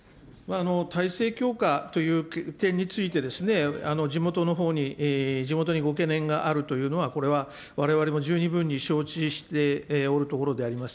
態勢強化という点についてですね、地元のほうに、地元にご懸念があるというのは、これはわれわれも十二分に承知しておるところであります。